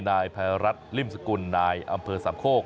นายภัยรัฐริมสกุลนายอำเภอสามโคก